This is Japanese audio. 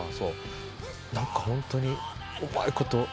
何かホントにうまいこと。